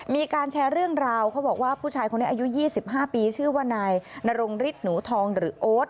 มีการแชร์เรื่องราวเขาบอกว่าผู้ชายคนนี้อายุ๒๕ปีชื่อว่านายนรงฤทธิ์หนูทองหรือโอ๊ต